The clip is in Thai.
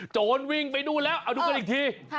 โจรวิ่งไปนู่นแล้วเอาดูกันอีกที